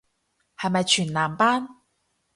係咪全男班